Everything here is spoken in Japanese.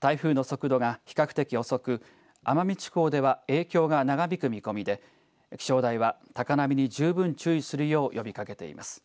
台風の速度が比較的遅く奄美地方では影響が長引く見込みで気象台は高波に十分注意するよう呼びかけています。